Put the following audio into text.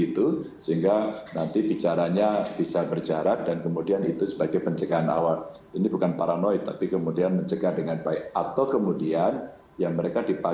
terima kasih pak dir